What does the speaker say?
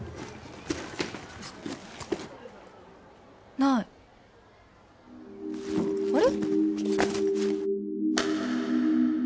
ないあれ？